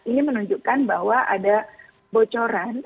ini menunjukkan bahwa ada bocoran